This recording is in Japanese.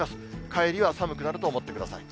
帰りは寒くなると思ってください。